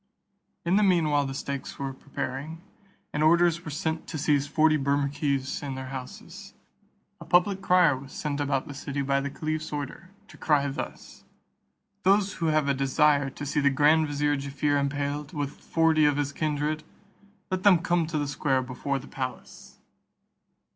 In the mean while the stakes were preparing, and orders were sent to seize forty Bermukkees in their houses; a public crier was sent about the city by the caliph's order, to cry thus: "Those who have a desire to see the grand vizier Jaaffier impaled, with forty of his kindred, let them come to the square before the palace."